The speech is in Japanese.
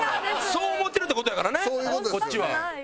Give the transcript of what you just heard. そう思ってるって事やからねこっちは。